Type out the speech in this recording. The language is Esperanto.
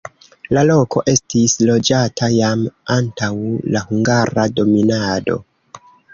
La loko estis loĝata jam antaŭ la hungara dominado.